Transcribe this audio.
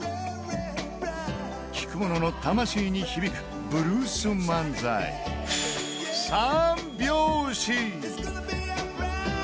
聴く者の魂に響くブルース漫才、三拍子。